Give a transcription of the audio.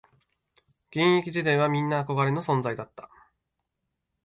現役時代はみんな憧れの存在だった